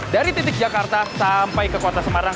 dari titik jakarta sampai ke kota semarang